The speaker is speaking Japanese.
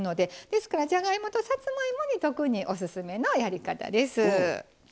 ですからじゃがいもとさつまいもに特におすすめのやり方です。